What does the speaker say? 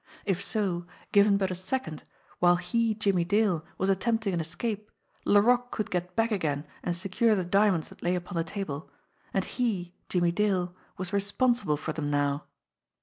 If so, given but a second, while he, Jimmie Dale, was attempting an escape, Laroque could get back again and secure the diamonds that lay upon the table. And he, Jimmie Dale, was responsible for them now